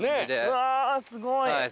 うわすごい。